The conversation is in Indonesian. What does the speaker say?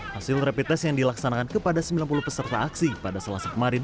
hasil rapid test yang dilaksanakan kepada sembilan puluh peserta aksi pada selasa kemarin